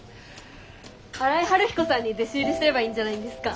荒井晴彦さんに弟子入りすればいいんじゃないんですか？